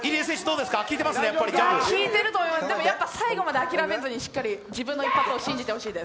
でもやっぱ最後まで諦めずに自分の一発を信じてほしいです。